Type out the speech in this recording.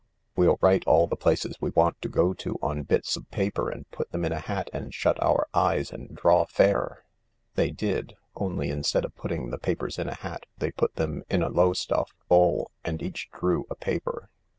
We'll write all the places we want to go to on bits o: paper and put them in a hat and shut our eyes and draw fair." They did — only instead of putting the papers in a hat they put them in a Lowestoft bowl, and each drew a paper.